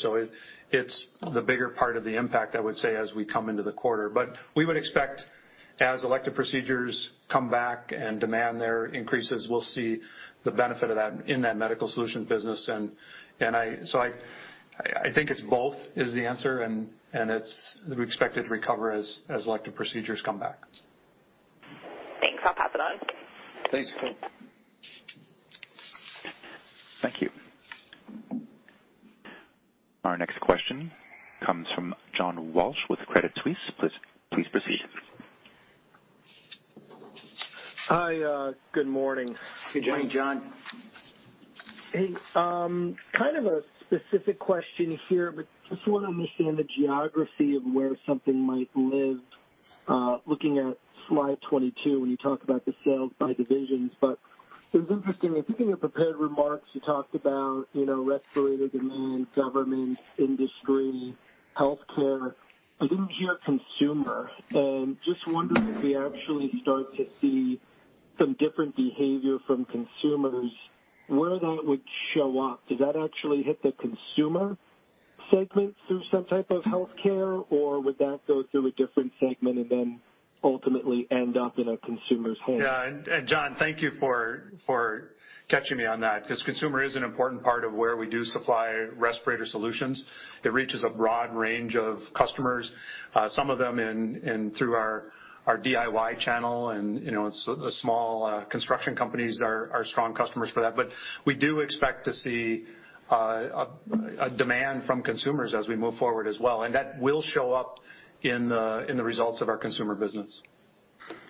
It's the bigger part of the impact, I would say, as we come into the quarter. We would expect as elective procedures come back, and demand there increases, we'll see the benefit of that in that medical solutions business. I think it's both is the answer, and we expect it to recover as elective procedures come back. Thanks. I'll pass it on. Thanks, Nicole. Thank you. Our next question comes from John Walsh with Credit Suisse. Please proceed. Hi, good morning. Good morning, John. Hey. Kind of a specific question here, but just want to understand the geography of where something might live. Looking at slide 22, when you talk about the sales by divisions. It was interesting. I think in your prepared remarks, you talked about respirator demand, government, Industry, Health Care. I didn't hear Consumer. Just wondering, if we actually start to see some different behavior from consumers, where that would show up. Does that actually hit the Consumer segment through some type of healthcare, or would that go through a different segment, and then ultimately end up in a consumer's home? Yeah. John, thank you for catching me on that, because Consumer is an important part of where we do supply respirator solutions. It reaches a broad range of customers, some of them through our DIY channel, and the small construction companies are strong customers for that. We do expect to see a demand from consumers as we move forward as well, and that will show up in the results of our Consumer business.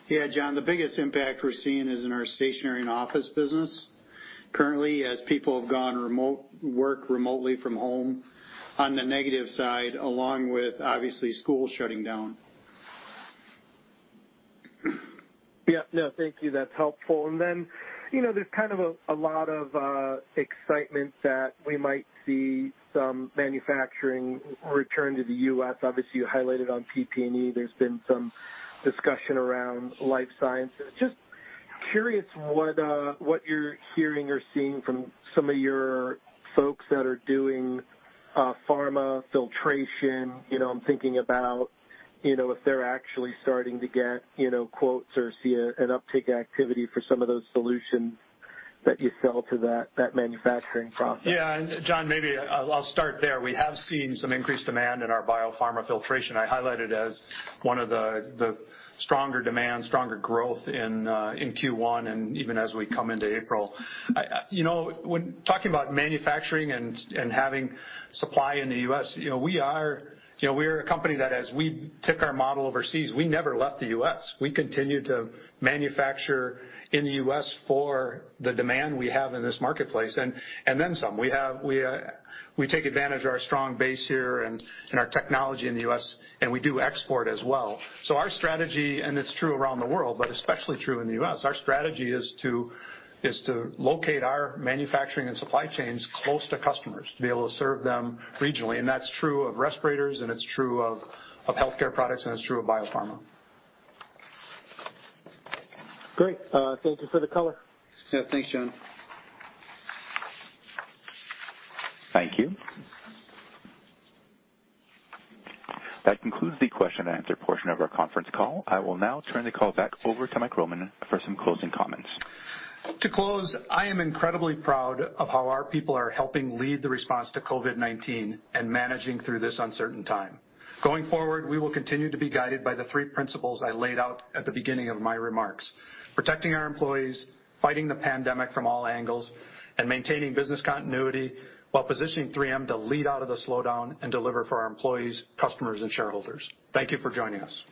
Yeah, John, the biggest impact we're seeing is in our stationary and office business. Currently, as people have gone to work remotely from home, on the negative side, along with, obviously, schools shutting down. Yeah. No, thank you. That's helpful. There's kind of a lot of excitement that we might see some manufacturing return to the U.S. Obviously, you highlighted on PPE, there's been some discussion around life sciences. Just curious what you're hearing, or seeing from some of your folks that are doing pharma, filtration. I'm thinking about if they're actually starting to get quotes, or see an uptick activity for some of those solutions that you sell to that manufacturing process. Yeah. John, maybe I'll start there. We have seen some increased demand in our biopharma filtration. I highlight it as one of the stronger demands, stronger growth in Q1, and even as we come into April. When talking about manufacturing, and having supply in the U.S., we are a company that as we took our model overseas, we never left the U.S. We continued to manufacture in the U.S. for the demand we have in this marketplace, and then some. We take advantage of our strong base here and our technology in the U.S., and we do export as well. Our strategy, and it's true around the world, but especially true in the U.S., our strategy is to locate our manufacturing and supply chains close to customers to be able to serve them regionally, and that's true of respirators, and it's true of healthcare products, and it's true of biopharma. Great. Thank you for the color. Yeah. Thanks, John. Thank you. That concludes the question and answer portion of our conference call. I will now turn the call back over to Mike Roman for some closing comments. To close, I am incredibly proud of how our people are helping lead the response to COVID-19, and managing through this uncertain time. Going forward, we will continue to be guided by the three principles I laid out at the beginning of my remarks, protecting our employees, fighting the pandemic from all angles, and maintaining business continuity while positioning 3M to lead out of the slowdown, and deliver for our employees, customers, and shareholders. Thank you for joining us.